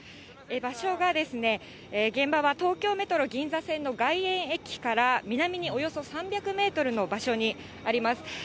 場所が、東京メトロ銀座線の外苑駅から南におよそ３００メートルの場所にあります。